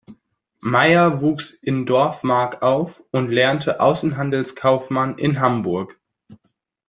Meyer wuchs in Dorfmark auf und lernte Außenhandelskaufmann in Hamburg.